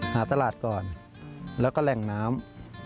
หาตลาดก่อนแล้วก็แหล่งน้ำ